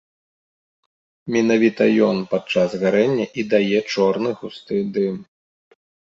Менавіта ён падчас гарэння і дае чорны густы дым.